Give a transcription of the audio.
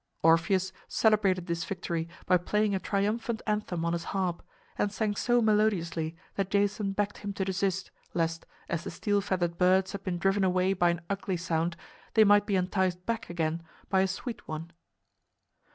Orpheus celebrated this victory by playing a triumphant anthem on his harp, and sang so melodiously that Jason begged him to desist, lest, as the steel feathered birds had been driven away by an ugly sound, they might be enticed back again by a sweet one.